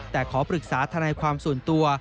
แต่ขอปรึกษาทนายความส่วนตัว